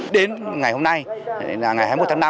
đến ngày hôm nay là ngày hai mươi một tháng năm